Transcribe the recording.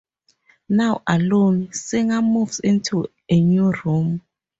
Now alone, Singer moves into a new room.